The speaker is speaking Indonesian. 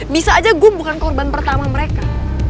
bisa aja gue bukan korban pertama mereka